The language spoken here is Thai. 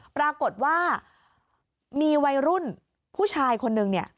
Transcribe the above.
ปรากฏว่ามีวัยรุ่นผู้ชายคนนึงเนี่ย